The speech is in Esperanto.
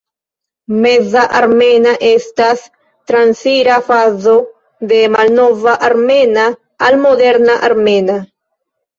Meza armena estas transira fazo de malnova armena al moderna armena.